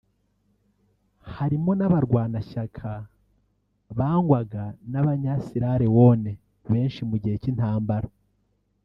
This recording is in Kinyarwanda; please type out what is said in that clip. harimo n’abarwanashyaka bangwaga n’abanya-Sierra-Léone benshi mu gihe cy’intambara